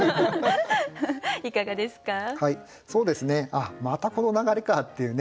「あっまたこの流れか」っていうね